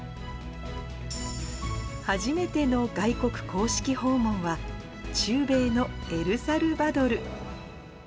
初めての外国公式訪問は、中米のエルサルバドル。